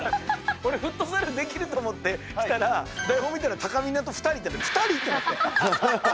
俺、フットサルできると思って来たら、台本見たらたかみなと２人でって、２人？って。